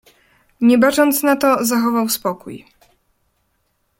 "Nie bacząc na to zachował spokój."